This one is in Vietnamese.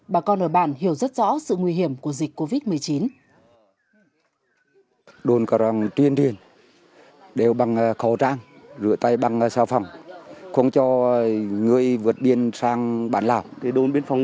bà con ở bản hiểu rất rõ sự nguy hiểm của dịch covid một mươi chín